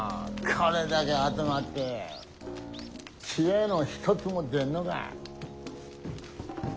これだけ集まって知恵の一つも出んのか。